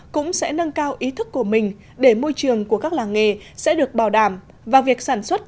cũng sẽ nâng cao ý thức của mình để môi trường của các làng nghề sẽ được bảo đảm và việc sản xuất